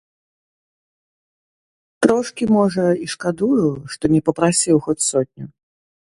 Трошкі, можа, і шкадую, што не папрасіў хоць сотню.